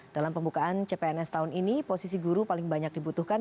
dalam pembukaan cpns tahun ini posisi guru paling banyak dibutuhkan